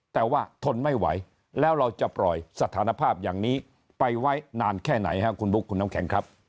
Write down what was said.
แต่ว่าทนไม่ไหวแล้วเราจะปล่อยสถานภาพอย่างนี้ไปไว้นานแค่ไหนครับคุณบุ๊คคุณน้ำแข็งครับ